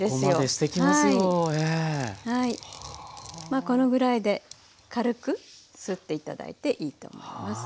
まあこのぐらいで軽くすって頂いていいと思います。